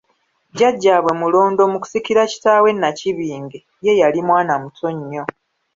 jjajjaabwe Mulondo mu kusikira kitaawe Nnakibinge, ye yali mwana muto nnyo.